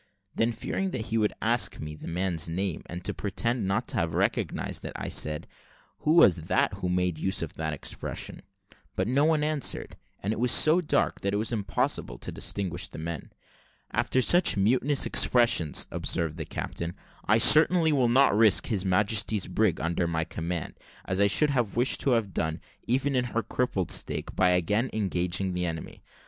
Then fearing he would ask me the man's name, and to pretend not to have recognised it, I said, "Who was that who made use of that expression?" But no one answered; and it was so dark that it was impossible to distinguish the men. "After such mutinous expressions," observed the captain, "I certainly will not risk His Majesty's brig under my command, as I should have wished to have done, even in her crippled state, by again engaging the enemy.